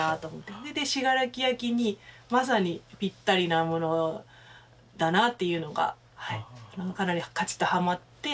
それで信楽焼にまさにぴったりなものだなっていうのがかなりかちっとハマって。